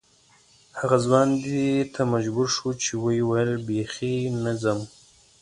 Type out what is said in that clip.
هغه ځوان دې ته مجبور شو چې ویې ویل بې خي نه ځم.